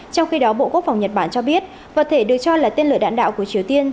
trong khi đó bộ quốc phòng nhật bản cho biết vật thể được cho là tên lửa đạn đạo của triều tiên